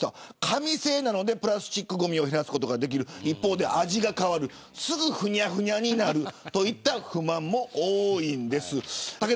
紙製なのでプラスチックごみを減らすことができる一方で味が変わるすぐに、ふにゃふにゃになるといった不満も多いんです。